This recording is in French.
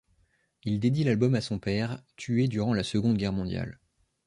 Il dédie l'album à son père, tué durant la Seconde Guerre mondiale.